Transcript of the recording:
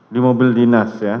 di mobil dinas ya